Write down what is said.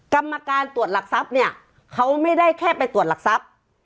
กรรมการตรวจหลักทรัพย์เนี่ยเขาไม่ได้แค่ไปตรวจหลักทรัพย์